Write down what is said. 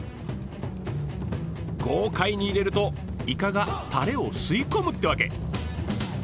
豪快に入れるとイカがタレを吸い込むってわけ。